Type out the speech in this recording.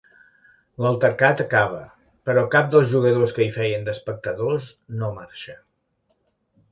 L'altercat acaba, però cap dels jugadors que hi feien d'espectadors no marxa.